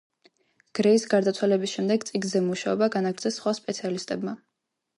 გრეის გარდაცვალების შემდეგ წიგნზე მუშაობა განაგრძეს სხვა სპეციალისტებმა.